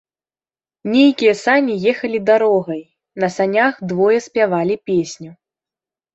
Нейкія сані ехалі дарогай, на санях двое спявалі песню.